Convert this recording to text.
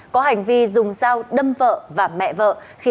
có hành vi dùng dao đâm vợ và mẹ vợ